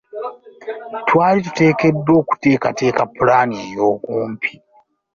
Twali tuteekeddwa okuteekateeka pulaani ey’okumpi.